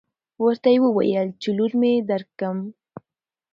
ورته يې وويل چې لور مې درکم.